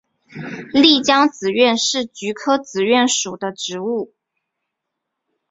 丽江紫菀是菊科紫菀属的植物。